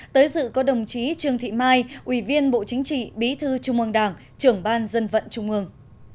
tới dự có đồng chí trương thị mai ủy viên bộ chính trị bí thư trung ương đảng trưởng ban dân vận trung ương